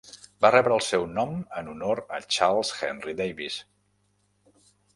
Va rebre el seu nom en honor a Charles Henry Davis.